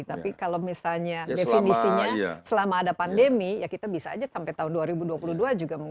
tapi kalau misalnya definisinya selama ada pandemi ya kita bisa aja sampai tahun dua ribu dua puluh dua juga mungkin